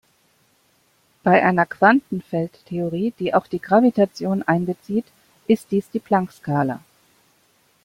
Bei einer Quantenfeldtheorie, die auch die Gravitation einbezieht, ist dies die Planck-Skala.